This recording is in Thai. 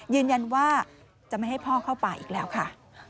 ยืนยันว่าจะไม่ให้พ่อเข้าป่าอีกแล้วค่ะ